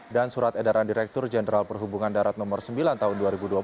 dan surat edaran direktur jenderal perhubungan darat no sembilan tahun dua ribu dua puluh